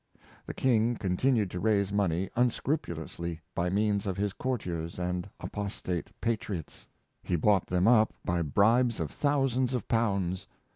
The king continued to raise money unscrupulously , by means of his courtiers and apostate patriots. He bought them up by bribes of thousands of pounds.